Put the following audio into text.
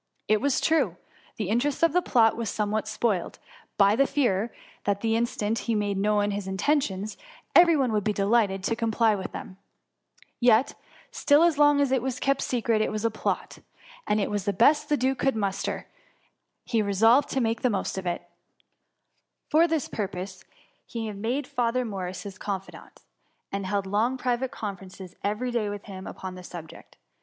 It was true, the interest of the plot was somewhat spoiled, by the fear that the in stant he made known his intentions, every one would be delighted to comply with them : yet still, as long as it was kept secret, it was a plot, and as it was the best the duke could muster, he resolved to make the most of it For this purpose he made Father Morris his confidant, and held long private conferences every day with him upon the subject.